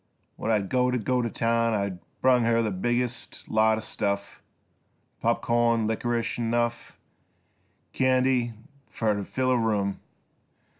When I'd go t' town I brung Her the biggest lot o' stuff, Pop corn, likrish, 'n' enough Candy fer t' fill a room.